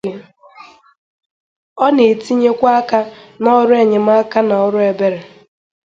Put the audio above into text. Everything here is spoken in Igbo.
Ọ na etinye kwa aka na ọrụ enyemaka na ọrụ ebere.